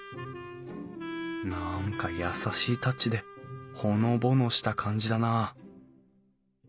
何か優しいタッチでほのぼのした感じだなあ